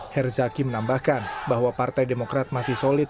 herzaki menambahkan bahwa partai demokrat masih solid